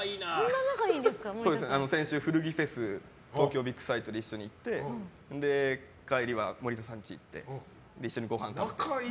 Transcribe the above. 先週、古着フェス東京ビッグサイトに一緒に行って帰りは森田さん家行って一緒にご飯食べて。